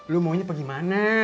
lu maunya bagaimana